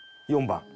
４番。